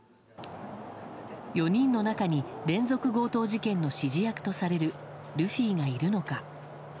４人の中に連続強盗事件の指示役とされるルフィがいるのか。